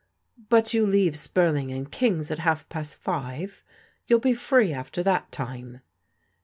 " But you leave Spurling and King's at half past five. You'll be free after that time."